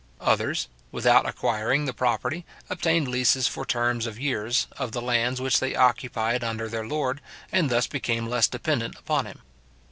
Others, without acquiring the property, obtained leases for terms of years, of the lands which they occupied under their lord, and thus became less dependent upon him.